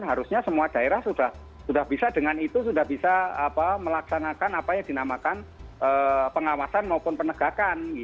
harusnya semua daerah sudah bisa dengan itu sudah bisa melaksanakan apa yang dinamakan pengawasan maupun penegakan